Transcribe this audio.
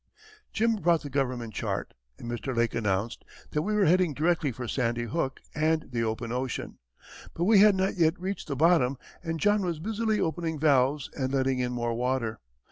Jim brought the government chart, and Mr. Lake announced that we were heading directly for Sandy Hook and the open ocean. But we had not yet reached the bottom, and John was busily opening valves and letting in more water.